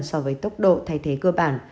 so với tốc độ thay thế cơ bản